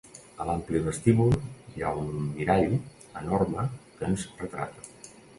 A l'ampli vestíbul hi ha un mirall enorme que ens retrata.